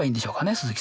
鈴木さん。